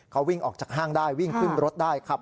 เขาวิ่งออกจากห้างได้วิ่งขึ้นรถได้ครับ